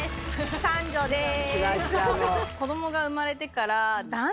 三女です。